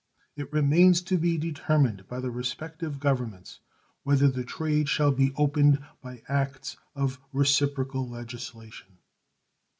It remains to be determined by the respective Governments whether the trade shall be opened by acts of reciprocal legislation.